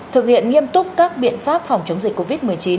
thực hiện nghiêm túc các biện pháp phòng chống dịch covid một mươi chín